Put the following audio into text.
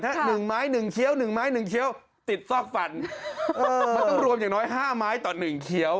ถ้า๑ไม้๑เคี้ยว๑ไม้๑เคี้ยวติดซอกต้องรวมอย่างน้อย๕ไม้ตอ๑เคี้ยว